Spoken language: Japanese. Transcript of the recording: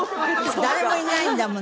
誰もいないんだもの。